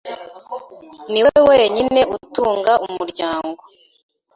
Niwe wenyine utunga umuryango.